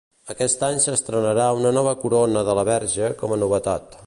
Aquest any s'estrenarà una nova corona de la Verge com a novetat.